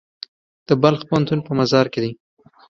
د بلخ پوهنتون په مزار کې دی